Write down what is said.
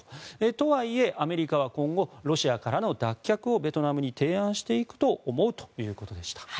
とはいえ、アメリカは今後ロシアからの脱却をベトナムに提案していくと思うということでした。